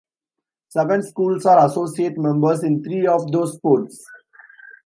Seven schools are associate members in three of those sports.